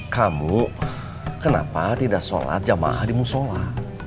kamu kenapa tidak sholat jamaah di musola